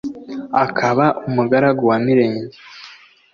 akaba umugaragu wa Mirenge,